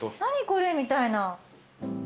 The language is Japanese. これみたいな。